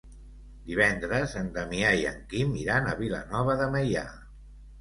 Divendres en Damià i en Quim iran a Vilanova de Meià.